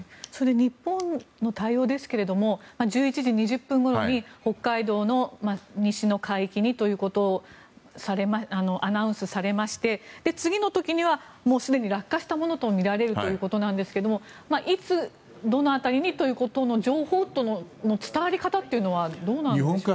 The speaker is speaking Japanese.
日本の対応ですけれども１１時２０分ごろに北海道の西の海域にということをアナウンスされまして次の時にはもうすでに落下したものとみられるということですがいつ、どの辺りにという情報の伝わり方というのはどうなんでしょうか。